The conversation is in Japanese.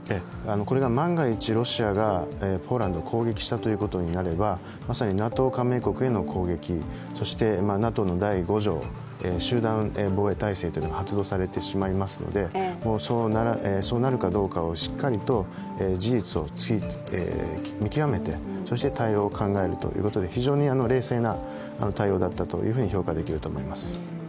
これが万が一、ロシアがポーランドをこうげきしたということになればまさにＮＡＴＯ加盟国への攻撃そしてＮＡＴＯの第５条集団防衛体制が発動されてしまいますので、そうなるかどうかをしっかりと事実を見極めてそして対応を考えるということで非常に冷静な対応だったと評価できると思います。